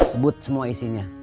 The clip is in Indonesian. sebut semua isinya